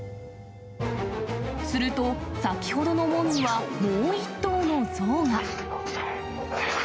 すると、先ほどの門にはもう１頭のゾウが。